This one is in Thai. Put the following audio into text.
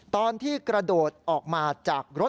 ตอนที่กระโดดออกมาจากรถ